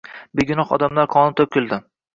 Begunoh odamlar qoni toʻkildi